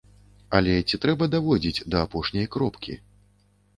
Але ці трэба даводзіць да апошняй кропкі?